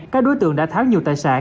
các đối tượng đã tháo nhiều tài sản